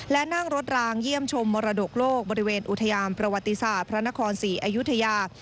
และนั่งรถรางเยี่ยมชมมรดกโลกบริเวณอุทยามประวัติศาสตร์พระนครศรีอยุธยา